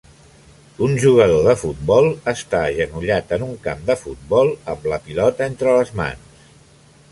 Un jugador de futbol està agenollat en un camp de futbol amb la pilota entre les mans